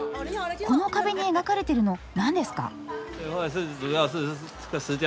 この壁に描かれてるの何ですか？